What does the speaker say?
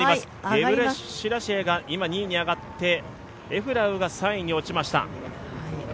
ゲブレシラシエが今２位に上がってエフラウが３位に落ちました。